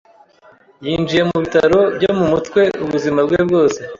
yinjiye mu bitaro byo mu mutwe ubuzima bwe bwose.